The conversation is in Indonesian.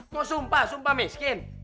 kok sumpah sumpah miskin